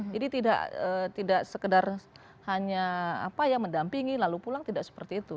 jadi tidak sekedar hanya mendampingi lalu pulang tidak seperti itu